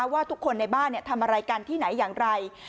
ว่าทุกคนในบ้านทำอะไรกันที่ไหนอย่างไร